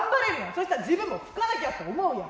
そうしたら自分も吹かなきゃって思うやん。